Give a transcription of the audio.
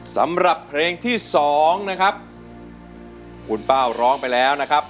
สำหรับเพลงที่สองนะครับคุณเป้าร้องไปแล้วนะครับ